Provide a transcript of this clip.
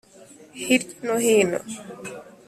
hirya no hino